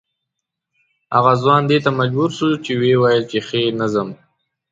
هغه ځوان دې ته مجبور شو چې ویې ویل بې خي نه ځم.